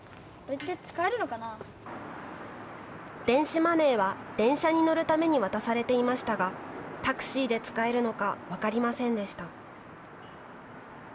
電子マネーは電車に乗るために渡されていましたがタクシーで使えるのか分かりませんでした。